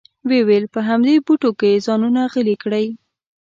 وې ویل په همدې بوټو کې ځانونه غلي کړئ.